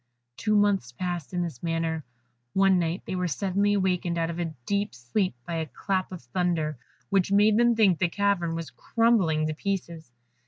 Two months passed in this manner. One night they were suddenly awakened out of a deep sleep by a clap of thunder which made them think the cavern was crumbling to pieces.